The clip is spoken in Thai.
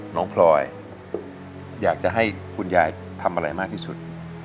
พลอยอยากจะให้คุณยายทำอะไรมากที่สุด